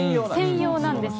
専用なんです。